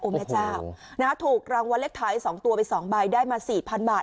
แม่เจ้าถูกรางวัลเลขท้าย๒ตัวไป๒ใบได้มา๔๐๐๐บาท